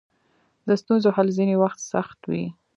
د ستونزو حل ځینې وخت سخت وي.